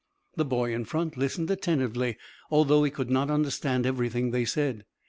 The boy in front listened attentively, although he could not understand everything they said.